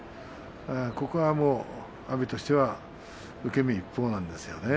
ここは阿炎としては受け身一方なんですよね。